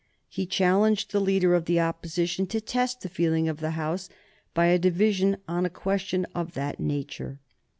He challenged the leader of the Opposition to test the feeling of the House by a division on a question of that nature.